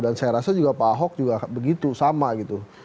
dan saya rasa juga pak ahok juga begitu sama gitu